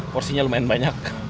porsinya lumayan banyak